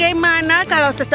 dia menerjemahkan baby weller